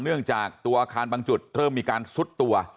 เนื่องจากตัวอาคารบางจุดเริ่มมีการซุดตัว